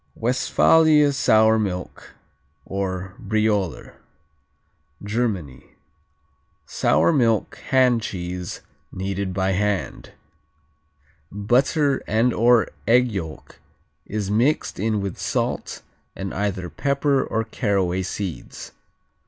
Westphalia Sour Milk, or Brioler Germany Sour milk hand cheese, kneaded by hand. Butter and/or egg yolk is mixed in with salt, and either pepper or caraway seeds.